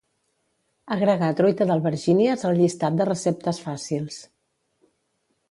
Agregar truita d'albergínies al llistat de receptes fàcils.